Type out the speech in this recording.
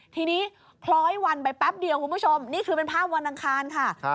ทีนี้คล้อยวันไปแป๊บเดียวคุณผู้ชมนี่คือเป็นภาพวันอังคารค่ะ